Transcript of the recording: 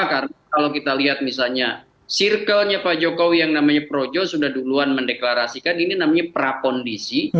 karena kalau kita lihat misalnya circle nya pak jokowi yang namanya projo sudah duluan mendeklarasikan ini namanya prakondisi